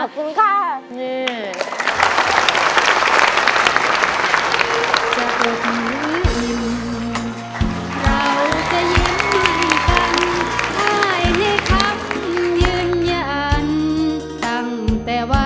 ขอบคุณค่ะ